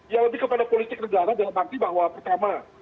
ya lebih kepada politik negara dalam arti bahwa pertama